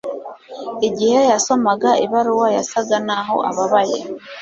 Igihe yasomaga ibaruwa yasaga naho ababaye